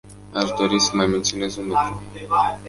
Aș dori să mai menționez un lucru.